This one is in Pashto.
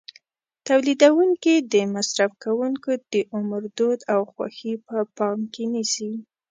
تولیدوونکي د مصرف کوونکو د عمر، دود او خوښې په پام کې نیسي.